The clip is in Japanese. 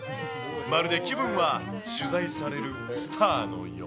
まるで気分は取材されるスターのよう。